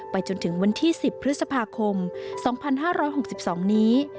จนถึงวันที่๑๐พฤษภาคม๒๕๖๒นี้